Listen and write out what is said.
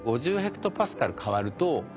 ヘクトパスカル変わると。